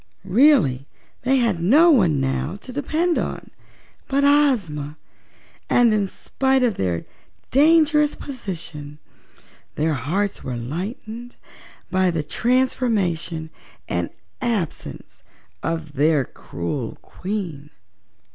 Really, they had no one now to depend upon but Ozma, and in spite of their dangerous position their hearts were lightened by the transformation and absence of their cruel Queen.